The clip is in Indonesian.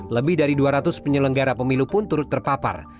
lebih dari dua ratus penyelenggara pemilu pun turut terpapar